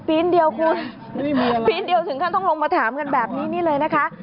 โอ้โหปีนเดียวคุณปีนเดียวถึงก็ต้องลงมาถามกันแบบนี้เลยนะคะ